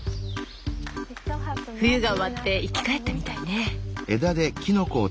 冬が終わって生き返ったみたいね。